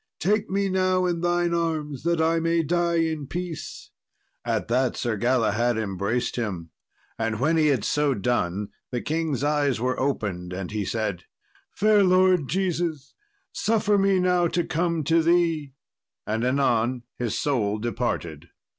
Take me now in thine arms, that I may die in peace." At that Sir Galahad embraced him; and when he had so done the king's eyes were opened, and he said, "Fair Lord Jesus, suffer me now to come to Thee;" and anon his soul departed.